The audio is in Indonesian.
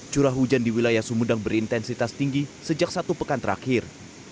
curah hujan di wilayah sumedang berintensitas tinggi sejak satu pekan terakhir